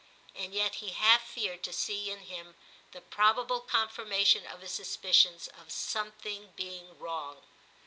And yet he half feared to see in him the probable con firmation of his suspicions of something being wrong.